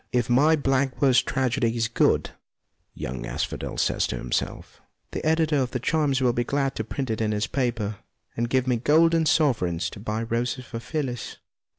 " If my blank verse tragedy is good," young Asphodel says to himself, " the editor of the Chimes will be glad to print it in his paper, and give me golden sovereigns to buy roses for Phyllis."